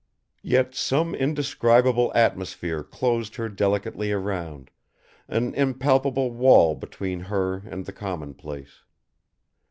Yet some indescribable atmosphere closed her delicately around, an impalpable wall between her and the commonplace.